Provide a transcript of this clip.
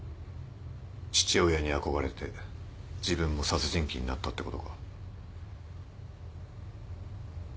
父親に憧れて自分も殺人鬼になったってことか。